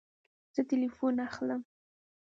زه تلیفون اخلم